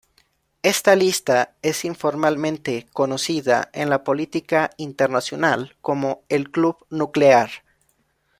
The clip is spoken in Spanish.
Esta lista es informalmente conocida en la política internacional como ""El club nuclear"".